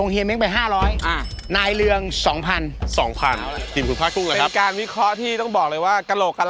เห้ยจริงเหรอ